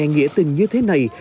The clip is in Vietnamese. nghĩa tình như thế này